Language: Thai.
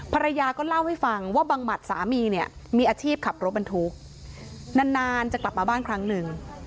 ภรรยาก็เล่าให้ฟังว่าบังหมัดสามีเนี่ยมีอาชีพขับรถบรรทุกนานจะกลับมาบ้านครั้งหนึ่ง